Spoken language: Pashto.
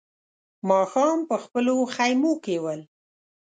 ماښام په خپلو خيمو کې ول.